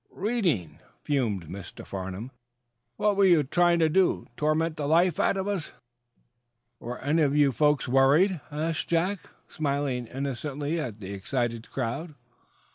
"Reading?" fumed Mr. Farnum. "What were you trying to do? Torment the life out of us?" "Were any of you folks worried?" asked Jack, smiling innocently at the excited crowd.